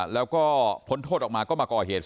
แล้วก็พ้นโทษออกมาก็มาก่อเหตุ